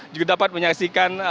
juga dapat menyaksikan